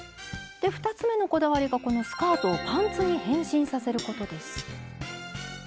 で２つ目のこだわりがこのスカートをパンツに変身させることです。